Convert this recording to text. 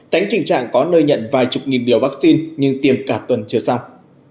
tánh trình trạng có nơi nhận vài chục nghìn biểu vaccine nhưng tiêm cả tuần chưa xong